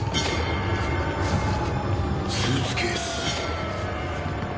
スーツケース。